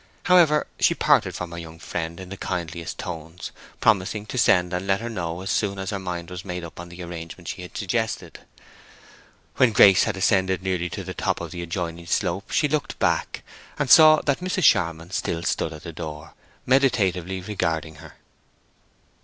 However, she parted from her young friend in the kindliest tones, promising to send and let her know as soon as her mind was made up on the arrangement she had suggested. When Grace had ascended nearly to the top of the adjoining slope she looked back, and saw that Mrs. Charmond still stood at the door, meditatively regarding her.